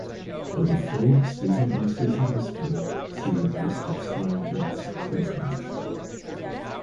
For the full season-by-season history, see List of Slough Jets seasons.